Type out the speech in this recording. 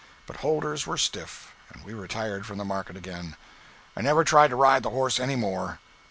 But holders were stiff, and we retired from the market again. I never tried to ride the horse any more.